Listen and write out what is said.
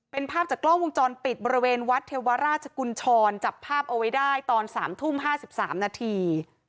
เป็นภาพจากกล้องวงจรปิดบริเวณวัดเทวราชกุญชรจับภาพเอาไว้ได้ตอน๓ทุ่ม๕๓นาที